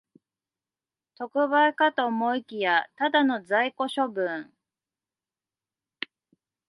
特売かと思いきや、ただの在庫処分